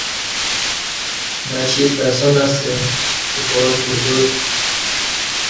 نہ شی ستہ اسان اسہ اِپاستہ زور